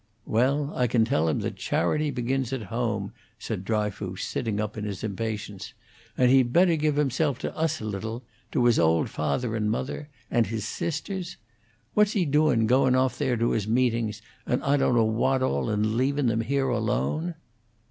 "Well, I can tell him that charity begins at home," said Dryfoos, sitting up in his impatience. "And he'd better give himself to us a little to his old father and mother. And his sisters. What's he doin' goin' off there to his meetings, and I don't know what all, an' leavin' them here alone?"